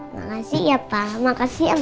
makasih ya pak makasih